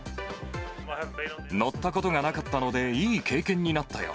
乗ったことがなかったので、いい経験になったよ。